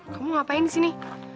kamu ngapain disini